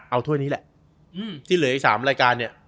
เอาถ้วยนี้แหละที่เหลืออีก๓รายการเนี่ย